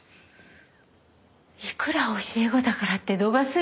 いくら教え子だからって度が過ぎている。